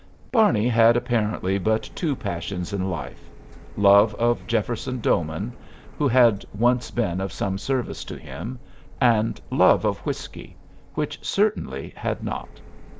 Barney had apparently but two passions in life love of Jefferson Doman, who had once been of some service to him, and love of whisky, which certainly had not.